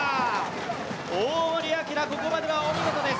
大森晃、ここまではお見事です。